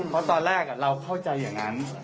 เพราะตอนแรกเราเข้าใจอย่างนั้น